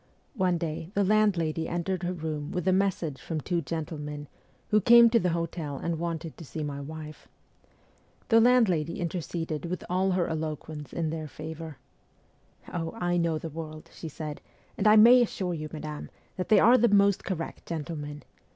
One day the landlady entered her room with a message from two gentlemen, who came to the hotel and wanted to see my wife. The landlady interceded with all her eloquence in their favour. ' Oh, I know the world,' she said, ' and I may assure you, madame, that they are the most correct gentlemen.